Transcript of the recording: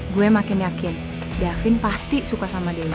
gue makin yakin davin pasti suka sama dia